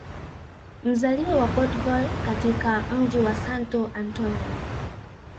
Mzaliwa wa portugal katika mji wa Santo Antonio